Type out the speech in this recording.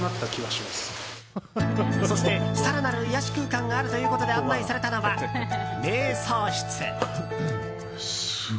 そして、更なる癒やし空間があるということで案内されたのは、瞑想室。